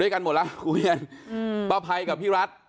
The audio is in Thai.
ของพ่อพายกับพี่รัส